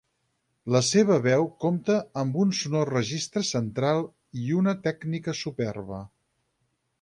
La seva veu compta amb un sonor registre central i una tècnica superba.